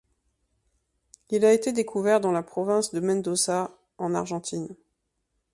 Il a été découvert dans la province de Mendoza, en Argentine.